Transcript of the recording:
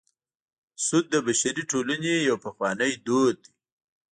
سود د بشري ټولنې یو پخوانی دود دی